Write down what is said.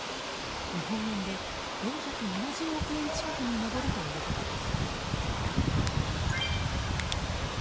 日本円で４７０億円近くに上るということです。